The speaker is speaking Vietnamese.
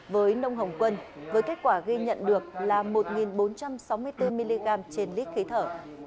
với nông hồng quân với kết quả ghi nhận được là một bốn trăm sáu mươi bốn mg trên lít khí thở